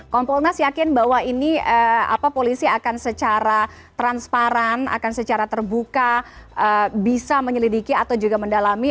kompolnas yakin bahwa ini polisi akan secara transparan akan secara terbuka bisa menyelidiki atau juga mendalami